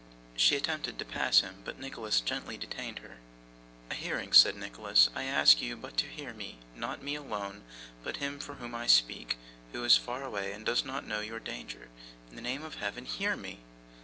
She attempted to pass him, but Nicholas gently detained her. 'A hearing,' said Nicholas. 'I ask you but to hear me: not me alone, but him for whom I speak, who is far away and does not know your danger. In the name of Heaven hear me!